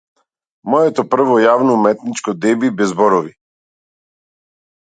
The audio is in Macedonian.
Моето прво јавно уметничко деби без зборови.